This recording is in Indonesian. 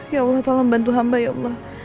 ya allah tolong bantu hamba ya allah